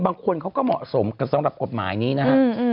บางคนเขาก็เหมาะสมกับสำหรับกฎหมายนี้นะครับ